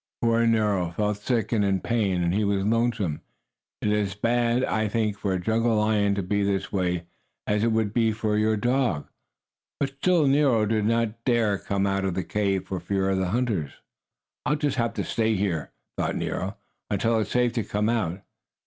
Poor Nero felt sick and in pain, and he was lonesome. It's as bad, I think, for a jungle lion to be this way as it would be for your dog. But still Nero did not dare come out of the cave for fear of the hunters. "I'll just have to stay here," thought Nero, "until it's safe to come out.